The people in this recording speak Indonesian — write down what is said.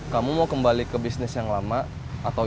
kamu mau kembali ke bisnis yang lama atau